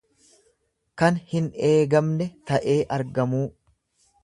Kan hin eegamne ta'ee argamuu.